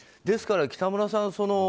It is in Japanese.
ですから北村さん